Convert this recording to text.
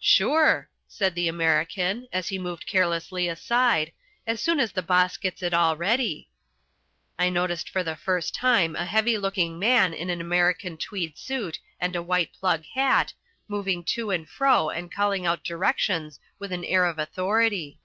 "Sure," said the American, as he moved carelessly aside, "as soon as the boss gets it all ready." I noticed for the first time a heavy looking man in an American tweed suit and a white plug hat, moving to and fro and calling out directions with an air of authority.